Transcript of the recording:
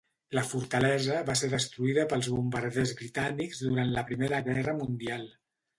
La fortalesa va ser destruïda pels bombarders britànics durant la Primera Guerra Mundial.